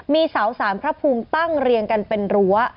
มีเสาสารพระภูมิตั้งเรียงกันเป็นรั้ว